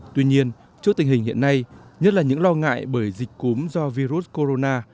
tuy nhiên trước tình hình hiện nay nhất là những lo ngại bởi dịch cúm do virus corona